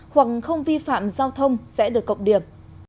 hoặc không vi phạm giao thông sẽ được cộng điểm